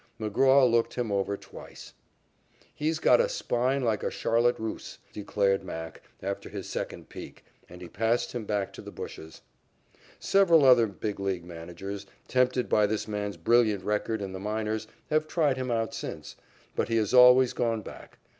McGraw looked him over twice. "He's got a spine like a charlotte russe," declared "Mac," after his second peek, and he passed him back to the bushes. Several other Big League managers, tempted by this man's brilliant record in the minors, have tried him out since, but he has always gone back.